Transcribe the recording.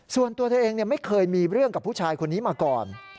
ส่วนตัวเธอเองไม่เคยมีเรื่องกับผู้ชายคนนี้มาก่อน